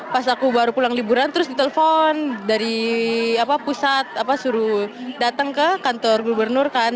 pas aku baru pulang liburan terus ditelepon dari pusat suruh datang ke kantor gubernur kan